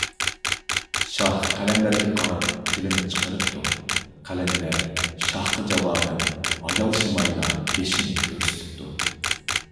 شاھ قەلەندەرگە قاراپ تىلىنى چىقىرىپتۇ، قەلەندەر شاھقا جاۋابەن ھايالشىمايلا بېشىنى كۆرسىتىپتۇ.